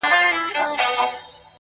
• له سړي چي لاره ورکه سي ګمراه سي -